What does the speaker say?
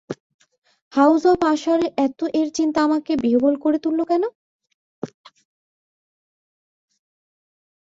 House of আশার-এর চিন্তা আমাকে বিহ্বল করে তুলল কেন?